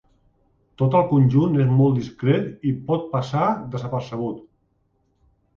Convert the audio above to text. Tot el conjunt és molt discret i pot passar desapercebut.